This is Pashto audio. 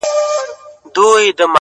تـلاوت دي د ښايستو شعرو كومه ـ